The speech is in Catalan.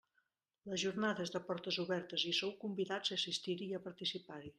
La jornada és de portes obertes i hi sou convidats a assistir-hi i a participar-hi.